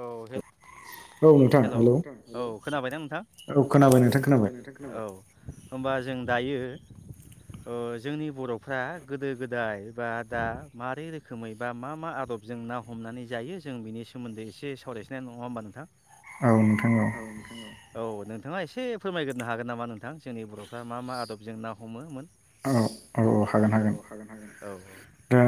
औ [unintelligible] हेलौ औ नोंथां औ खोनाबायना नोंथां औ खोनाबाय नोंथां खोनाबाय औ होमबा जों दायो ओ जोंनि बर'फ्रा गोदो गोदाय बा दा मारै रोखोमै बा मा-मा आबाद आदबजों ना हमनानै जायो जों बिनि सोमोन्दै एसे सावरायनिसै नङा होमबा नोंथां औ नोंथां औ औ नोंथाङा एसे फोरमायग्रोनो हागोन नामा नोंथां जोंनि बर'फ्रा मा मा आदबजों ना हमोमोन औ-औ हागोन हागोन दा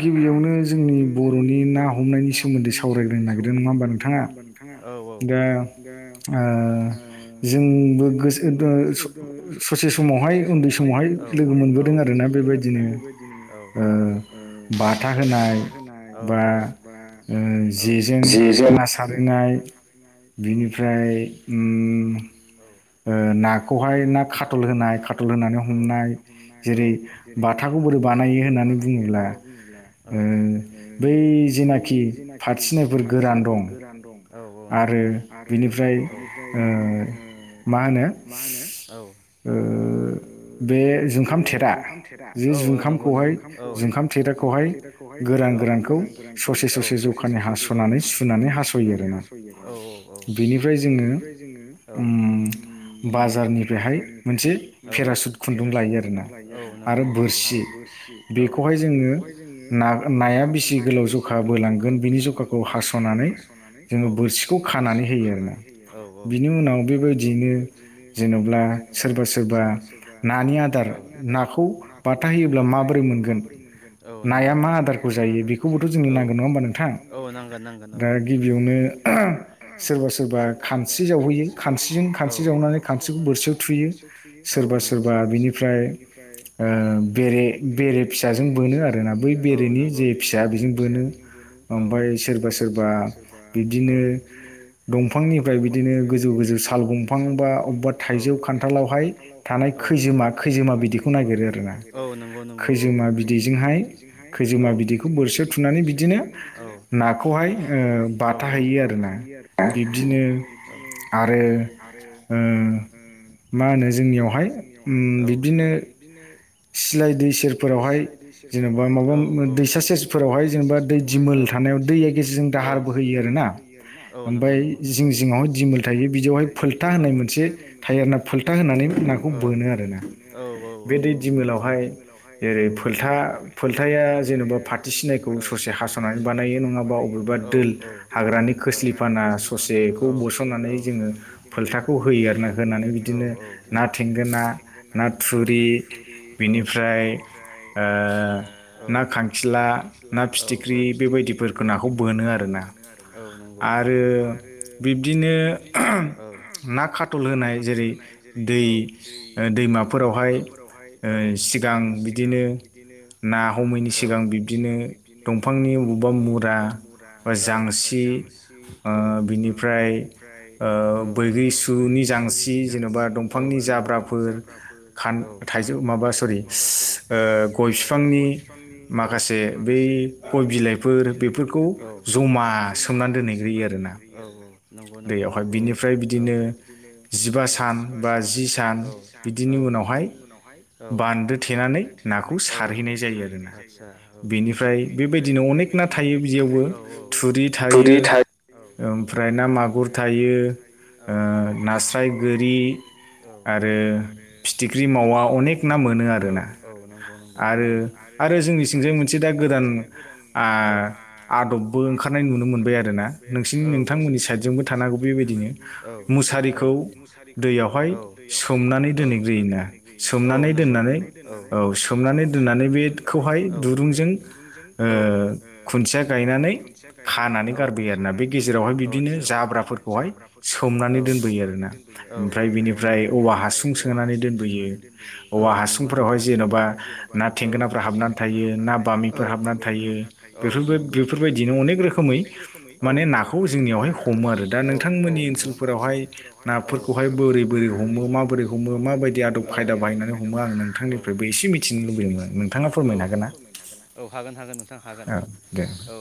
गिबियावनो जोंनि बर'नि ना हमनायनि सोमोन्दै सावरायग्रो नागिरदों फरायग्रोनो नागिरदों नङा होमा नोंथाङा औ औ दा ओ जों दो स-ससे समावहाय उन्दै समावहाय समावहाय औ लोगो मोनबोदों आरोना बेबायदिनो औ ओ बाथा होनाय औ। बा ओ जेजों ना सारहैनाय बेनिफ्राय उम्म ओ नाखौहाय ना खाथल होनाय खाथल होनानै हमनाय। हमनाय औ जेरै बाथाखौ बोरै बानायो औ होननानै औ बुङोब्ला ओ जेनाखि [unintelligible] खारथिनायफोर गोरान दं आरो बिनिफ्राय ओमफ्राय उम्म मा होनो औ बे जुंखाम थेरा जे जुंखामखौहाय जुंखाम थेेरा जुंखाम थेराखौहाय औ गोरान गोरानखौ औ ससे ससे ज [unintelligible] सुनानै हास'यो आरोना औ औ औ बेनिफ्राय जोङो उम्म बाजारनिफ्राय फ्राय मोनसे पेरासुट खुुन्दुं लामायो आरो बोरसि बेखौहाय ना नाया बेसि गोलाव जखा बोलांगोन बिनि जखाखौ बिनि जुखाखौ हास'नानै बोरसिखौ खानानै होयो आरोना बिनि उनाव बेबायदियैनो जेनेबा सोरबा सोरबा औ नानि आदार नाखौ बाथा होयोब्ला माबोरै मोनगोन? नाया मा आदारखौ जायो बेखौबोथ' जोंनो नांगोन नङा होमबा नोंथां? औ नांगोन नांगोन औ। [inaudible] सोरबा सोरबा खानस्रि जावहैयो खानस्रिजों खानस्रि जावनानै खानस्रिखौ बोरसियाव थुयो सोर बा सोरबा बेनिफ्राय ओ बेरे बेरे फिसाजों बोनो आरोना बै बेेरे बेरेनि जे फिसा बेजों बोनो। ओमफ्राय सोरबा सोरबा बि बिदिनो दंफांनिफ्राय बिदिनो गोजौ गोजौ साल दंफां बा अबेबा थाइजौ खान्थाल थाइजौ खान्थाल आवहाय थानाय खैजोमा खैजोमा बिदिखौ नागिरो औ नंगौ नंगौ औ खैजोमा [unintelligible] खैजोमा बिदैखौ बोरसियाव थुनानै बिदि नाखौहाय ओ बा था हैयो आरोना बिब्दिनो आरो ओ मा होनो जोंनियावहाय उम्म बिब्दिनो सिलाय दै सेरफोरावहाय जेनेबा माबा मो दैसा सेरफोरावहाय जेनेबा दै दिमु दै दिमोल थानायाव दैनि गेजेरजों दाहार बोहैयो आरोना ओमफाय जिं जिङावहाय दि मोल थायो बिदियावहाय फुलथा होननाय मोनसे थायो ना फल्था होनै नाखौ बोनो आरो। बेदि दिमोलावहाय जेरै फलथा फल्थाया जेन'बा फाथो सिनायखौ बानायो नङाबा बबेबा दोल हाग्रानि खोस्लिफाना ससेखौ बुसननानै जोङो फोल्थाखौ होयो आरो ना होनानै बिदिनो ना थेंगोना ना थुरि बिनिफ्राय ओ ना खांखिला, ना फिथिख्रि बे फिथिख्रि बेबायदिफोरखौ नाखौ बोनो आरोना आरो बिब्दिनो ना खाथल होनाय जेरै दै ओ दैमाफोरावहाय ओ सिगां बिदिनो ना हमैनि सिगां बिब्दिनो दंफां दंफांनि बबेबा मुरा जांसि ओ बिनिफ्राय ओ बैग्रि सुनि जांसि जेन'बा दंफांनि जाब्राफोर खान थाइजौ माबा सरि ओ गय बिफांनि माखासे बै गय बिलाइ गय बिलाइफोर बेफोरखौ जमा सोमनानै दोनहैग्रोयो आरो ना दैयाव। बिनिफ्राय बिदिनो जिबा सान बा जि सान बिदिनि उनाव हाय औ बान्दो थेनानै औ नाखौ सारहैनाय जायो। बेनिफ्राय बेबायदिनो अनेक ना थायो बेवबो थुरि थायो। ओमफ्राय ना मागुर थायो ओ नास्राय गोरि आ रो फिथिख्रि मावा अनेक ना मोनो आरोना आरो आरो जोंनिथिंजाय मोनसे दा गोदान आ आदबबो ओंखारनाय नुनो मोनबाय आरोना। नोंसिनि नोंथांमोननि साइडजोंबो थानांगौ बेबायदिनो मुसारिखौ दैयावहाय सोमनानै दोनहैग्रोयोनो औ नोंगौ सोमनानै दोननानै सोमनानै दोननानै बेखौहाय दुरुंजों औ ओ खुन्थिया गायनानै खानानै गारबोयो आरो ना गेजेरावहाय बिदिनो जाब्राफोर सोमनानै दोनबोयो आरोना ओमफ्राय बिनिफ्राय औवा हासुं सोनानै दोनबोयो औवा हासुंफोरावहाय जेन'बा ना थेंगोनाफोर हाबनानै थायो ना बामिफोर हाबनानै थायो। बेफोर बे बेफोरबायदिनो अनेक रोखोमै माने नाखौ जोंनियावहाय हमो आरो दा नोंथांमोननि ओन सोलफोरावहाय ना फोरफोरखौहाय बोरै बोरै हमो माबोरै हमो मा बायदि आदब माबायदि आदब खायदा बाहायनानै नोंथांनिफ्रायबो एसे मिथिनो लुबैदों नोंथाङा फोरमायनो हागोन ना नोंथां हागोन औ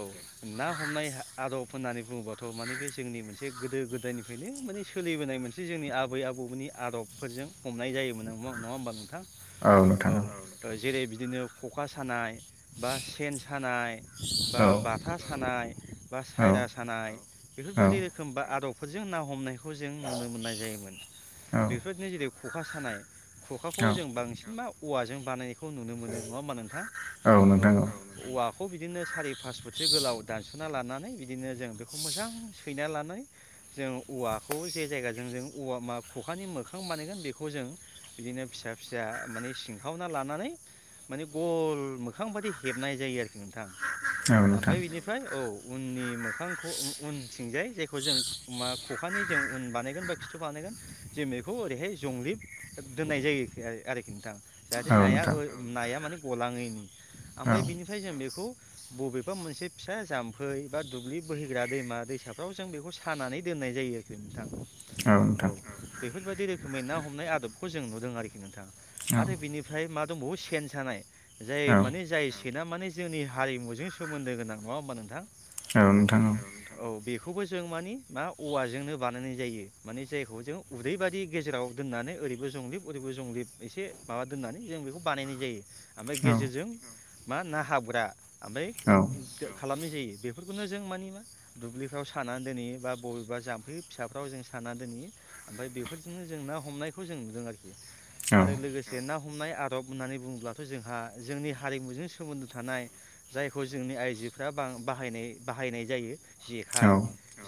ना हमनाय आदब होननानै बुङोबाथ' माने बे जोंनि मोनसे गोदो- गोदायनिफ्रायनो माने सोलिबोनाय मोनसे जोंनि आबै आबौनि आदबफोरजों हमनाय जायोमोन नङा नङा होमबा नोंथां औ जेरै बिदिनो खखा सानाय, बा सेन सानाय बा बाथा सानाय बा सायरा सानाय बेफोरबायदि रोखोम बा आदब फोरजों ना हमनायखौ जों नुनो मोननाय जायोमोन। बेफोरबायदिनो जेरै ख'खा सानाय खखाखौ जों बांसिनबा औवाजों बानायनाय खौ नुनो मोनो नङा होनबा नोंथां। औ औवाखौ बिदिनो सारि फास फुटसो गोलाव दान सना लानानै बिदिनो जों बेखौ मोजां सैना लानानै जों औवाखौ जे जायगाजों जों औवा मा खखानि मोखां बानायगोन बेखौ जों बिदिनो फिसा फिसा माने सिंखावना लानानै माने गल मोखां बादि हेबनाय जायो आरो नोंथां ओमफाय बिनिफ्राय औ उननि मोखांखौ उ उनथिंजाय जेखौ जों मा खखानि जों उन बानायगोन बा खिथु बानाय जों बेखौ ओरैहाय जंलिब दोनाय जायो आरोखि नोंथां। जाहाथे नाया नाया माने गलाङैनि। ओमफ्राय बिनिफ्राय जों बेखौ बबेबा मोनसे फिसा जाम्फै बा दुब्लि बोहैग्रा दैमा दैसाफ्राव जों बेखौ सानानै दोननाय जायो। [unintelligible] थां। औ बेफोरबायदि रोखोमै ना हमनाय आदबखौ जों नुदों आरोखि नोंथां। आरो बिनिफ्राय मा दंबावो सेन सानाय, जाय माने जाय माने जोंनि हारिमुजों सोमोन्दो गोनां नङा हबा नोंथां। औ औ बे खौबो जों माने मा औवाजोंनो बानायनाय जायो। माने जायखौ जों उदै बादि गेजेराव दोननानै ओरैबो जंलिब ओरैबो जंलिब, एसे माबा दोननानै जों बेखौ बानायनाय जायो। ओमफ्राय गेजेरजों मा ना हाबग्रा, ओमफ्राय खालामनाय जायो। बेफोरखौनो जों माने मा दुब्लिफ्राव सानानानै दोनहैयो, बा बबेबा जाम्फै फिसाफ्राव जों सानानानै दोनहैयो। ओमफ्राय बेफोरजोंनो जों ना हमनायखौ जों नुदों आरोखि। आरो लोगोसे ना हम हमनाय आदब होन्नानै बुङोब्लाथ' जोंहा, जोंनि हारिमुजों सोमोन्दो थानाय जायखौ जोंनि आइजोफ्रा बा बाहायनाय बाहायनाय जायो। जेखाइ,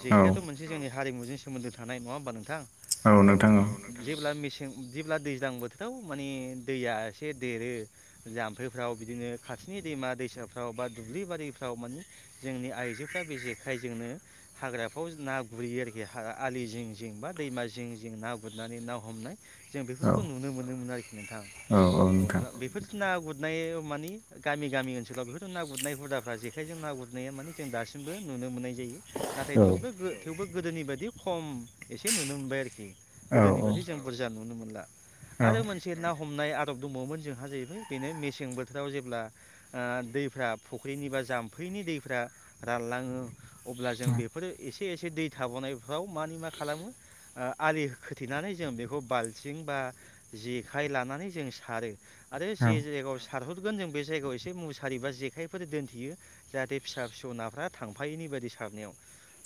जेखाइआथ' मोनसे जोंनि हारिमुजों सोमोन्दो थानाय, नङा होमबा नोंथां? औ जेब्ला मेस जेब्ला दैज्लां बोथोराव माने दैया एसे देरो जाम्फैफ्राव बिदिनो खा नि दैमा दैसा व बा दुब्लि बारिफ्राव माने जोंनि आइजोफ्रा बे जेखाय जोंनो हाग्राफ्राव ना गुर गुरहैयो आरोखि आलि जिं जिं बा दैमा जिं जिं ना गुरनानै ना हमनाय। जों बेफोरखौ नुनो मोनोमोन आरोखि नोंथां। औ बेफोर [unintelligible] नाय मानि गामि गामि ओनसोलाव बहुद ना गुरनाय हुदाफ्रा जेखायजों ना गुरनाया माने जों दासिमबो नुनो मोननाय जायो नाथाय थेवबो थेवबो गोदोनि बायदि खम एसे नुनो मोनबाय आरोखि। गोदोनि बादि जों बुरजा नुनो मोनला। आरो मोनसे ना हमनाय आदब दंबावोमोन जोंहा जाहैबाय बेनो मेसें बोथोराव जेब्ला दै फ्रा फुख्रिनि बा जाम्फैनि दैफ्रा रानलाङो, अब्ला जों बेफोर एसे से एसे दै थाबावनायफ्राव मनि मा खालामो, ओ आलि खोथेनानै जों बेखो बालथिं बा जेखाइ लानानै जों सारो। आरो जे जायगायाव सारहरगोन जों बे जायगायाव एसे मुसारिबा जे खाइफोर दोनथैयो, जाहाथे फिसा फिसौ नाफ्रा थांफायिनि बायदि सारनायाव।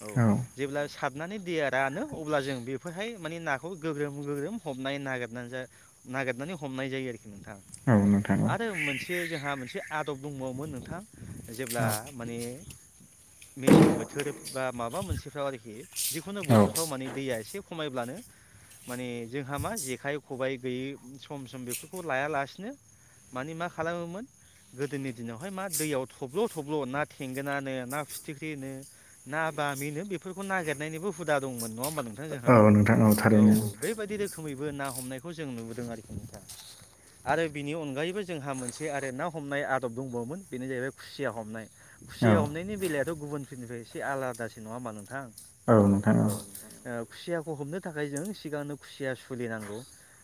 औ जेब्ला साद नानै दैया रानो अब्ला जों बेफोरहाय मानि नाखौ गोग्रोम गोग्रोम हमनाय नागिरनानै जा नागिरनानै हमनाय जायो आरो‌। नोंथां। आरो मोनसे जोंहा मोनसे आदब दंबावोमोन नोंथां जेब्ला माने मेसें बोथोर बा माबा मोनसेफ्राव आरोखि जिखुनु बोथोरफ्राव माने दैया एसे खमायब्लानो माने जोंहा मा जेखाइ खबाइ गैयै सम सम बेफोरखौ लायालासिनो मानि मा खालामोमोन, गोदोनि दिनावहाय मा दैयाव थब्ल' थब्ल' ना थेंगोनानो, ना फिथिख्रिनो, ना बामिनो बेफोरखौ नागिर नायनिबो हुदा दंमोन नङा होम्बा नोंथां जोंहा। औ बेबायदिनो रोखोमैबो ना हमनायखौ जों नुबोदों आरोखि नोंथां। आरो बिनि अनगायैबो जोंहा मोनसे आरो ना हमनाय आदब दंबावोमोन। बेनो जाहैबाय खुसिया हमनाय। खुसिया हमनायनि बेलायाथ' गुबुनफोरनिफ्राय एसे आलादासो नङा होम्बा नोंथां? औ ओ खुसिया खौ हमनो थाखाय जों सिगांनो खुसिया सोलिनांगौ।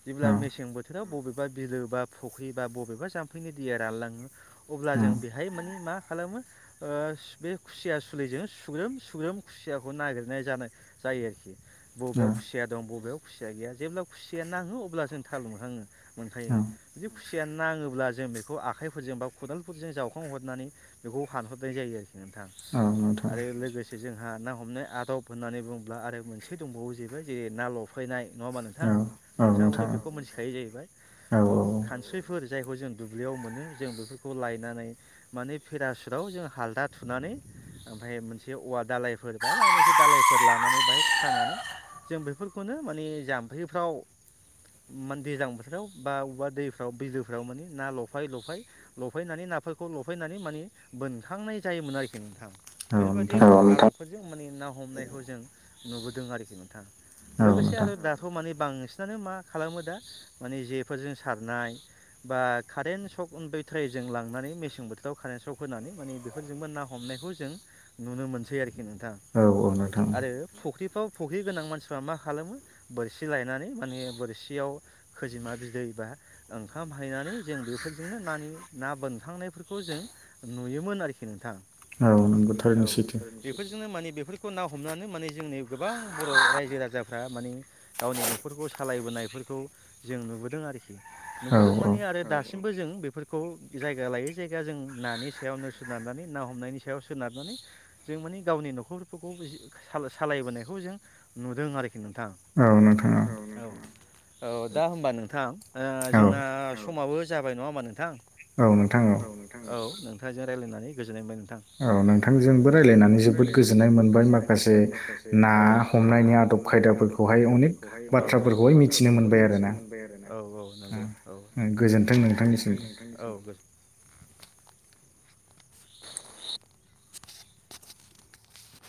जेब्ला मेसें बोथोराव बबेबा बिलो बा फख्रिबा बबेबा जाम्फैनि दैया रानलाङो, अब्ला जों बेहाय माने मा खालामो, ओ बे खुसिया सुलिजों सुग्रोम सुग्रोम खुसियाखौ नागिरो नाय जानो जायो आरोखि, बबेयाव खुसिया दं बबेयाव खुसिया गैया, जेब्ला खुसिया नाङो अब्ला जों थाल मोनखांङो, मोनखायो। जि खुसिया नाङोब्ला जों बेखौ आखाइफोरजों बा खदालफोरजों जाव खं हरनानै, बेखौ हानहरनाय जायो आरोखि नोंथां। आरो लोगोसे जोंहा ना हमनो आदब होननानै बुंब्ला आरो मोनसे दंबावो जेबो जे ना लफ फायनाय नङा होमबा नोंथां? नोंथाङाबोथ' बेखौ मिथिखायो जायो। बाय औ खानस्रैफोर जायखौ जों दुब्लियाव मोनो जों बेफोरखौ लायनानै माने पेरासुटआव जों हाल्दा थुनानै ओमफाय मोनसे औवा दालायफोर बा माबा मोनसे दालायफोर लानानै बाहाय खानानै जों बेफोरखौनो माने जाम्फैफ्राव मान दैज्लां बोथोराव बा अब्बा दैफ्राव बिलोफ्राव माने ना लफाय लफाय लफायनानै ना फोरखौ लफायनानै माने बोनखांनाय जायोमोन आरोखि नोंथां। बेफोरबायदि हेल' नोंथां आदबजों माने ना ना हमनायखौ जों नुबोदों आरोखि नोंथां। लोगोसे आरो दाथ' माने बांसिनानो मा खालामो दा माने जेफोरजों सारनाय बा कारेन्ट सकन बेट्र जों लांनानै मेसें बोथोराव खारेेन्ट सक होनानै माने बेफोरजोंबो ना हमनायखौ जों नुनो मोनसै आरोखि। खि नोंथां औ आरो फुख्रि फ्राव फख्रि गोनां मानसिफ्रा मा खालामो बोरसि लायनानै माने बोरसियाव खोजिमा बिदै बा ओंखाम हायनानै जों बेफोरजोंनो नानि ना बोनखांनाय बेफोरखौ जों नुयोमोन आरोखि नोंथां। औ नोंथां औ बेफोरजोंनो माने बेफोर खौ ना हमनानै माने जोंनि गोबां बर' रायजो राजाफ्रा माने गावनि न'खरखौ सालायबोनायफोर खौ जों नुबोदों आरोखि नुबोदों माने आरो दासिमबो जों बेफोरखौ जायगा लायो जायगा जों नानि सायावनो सोनारनानै ना हमनायनि सायाव सोनारनानै जों माने गावनि न'खरफोरखौ [unintelligible] सालायबोनायखौ जों नुदों आरोखि नोंथां। औ नोंथां औ। औ दा होमबा नोंथां ओ जोंना औ समाबो जाबाय नङा होमबा नोंथां। औ नोंथां औ नोंथांजों रायलायनानै गोजोननाय मोनबाय नोंथां। औ नोंथांजोंबो रायलायनानै जोबोद गोजोननाय मोनबाय माखासे ना हमनायनि आदब खाय नायनि आदब खायदाफोरखौहाय औ बाथ्राफोरखौहाय मिथिनो मोनबाय आरो ना औ औ नंगौ औ। गोजोन्थों नोंथांनिसिमबो।